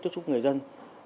tiếp xúc người dân